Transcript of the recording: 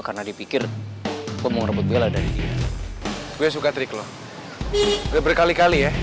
karena dipikir gue mau rebut bela dari dia